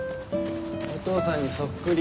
お父さんにそっくり。